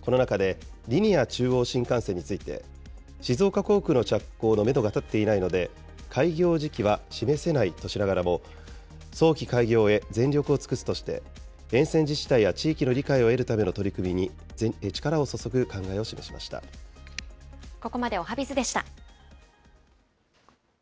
この中でリニア中央新幹線について、静岡工区の着工のメドが立っていないので、開業時期は示せないとしながらも、早期開業へ全力を尽くすとして、沿線自治体や地域の理解を得るための取り組みに力を注ぐ考えを示ここまでおはＢｉｚでした。